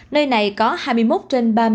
nơi này có hai mươi một trên hai mươi